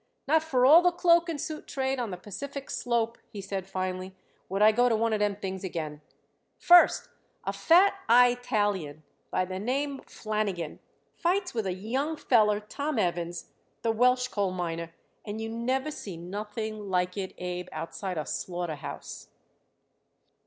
"Not for all the cloak and suit trade on the Pacific slope," he said finally, "would I go to one of them things again. First, a fat Eyetalian by the name Flanagan fights with a young feller, Tom Evans, the Welsh coal miner, and you never seen nothing like it, Abe, outside a slaughter house."